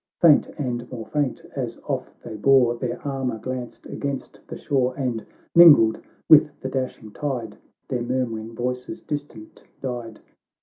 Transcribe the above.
Faint and more faint, as off they bore, Their armour glanced against the shore, And, mingled with the dashing tide. Their murmuring voices distant died.